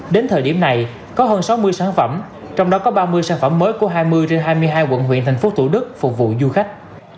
đến thời điểm này có hơn sáu mươi sản phẩm trong đó có ba mươi sản phẩm mới của hai mươi trên hai mươi hai quận huyện tp hcm phục vụ du khách